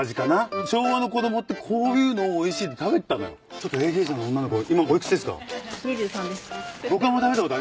ちょっとＡＤさんの女の子今お幾つですか？